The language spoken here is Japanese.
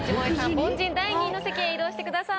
凡人第２位の席へ移動してください。